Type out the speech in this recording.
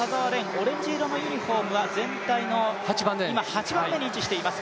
オレンジ色のユニフォームは今、全体の８番目に位置しています。